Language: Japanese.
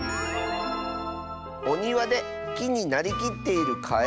「おにわできになりきっているカエルをみつけた！」。